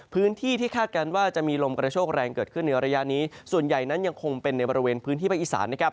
พื้นที่ที่คาดการณ์ว่าจะมีลมกระโชคแรงเกิดขึ้นในระยะนี้ส่วนใหญ่นั้นยังคงเป็นในบริเวณพื้นที่ภาคอีสานนะครับ